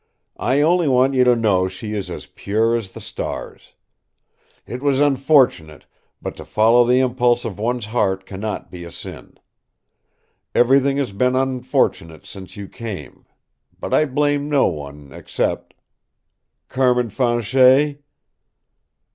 I only want you to know she is as pure as the stars. It was unfortunate, but to follow the impulse of one's heart can not be a sin. Everything has been unfortunate since you came. But I blame no one, except " "Carmin Fanchet?"